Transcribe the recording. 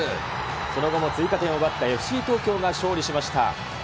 その後も追加点を奪ったＦＣ東京が勝利しました。